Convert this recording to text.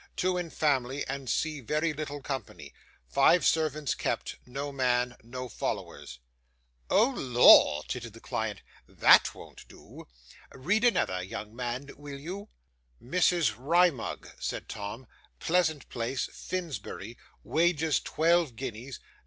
Two in family, and see very little company. Five servants kept. No man. No followers."' 'Oh Lor!' tittered the client. 'THAT won't do. Read another, young man, will you?' '"Mrs. Wrymug,"' said Tom, '"Pleasant Place, Finsbury. Wages, twelve guineas.